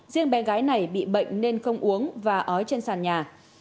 riêng bé gái này bị bệnh nên không uống và ói trên sàn nhà